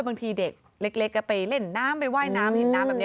บางทีเด็กเล็กก็ไปเล่นน้ำไปว่ายน้ำเห็นน้ำแบบนี้